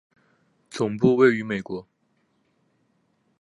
总部位于美国。